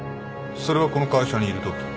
それはこの会社にいるとき？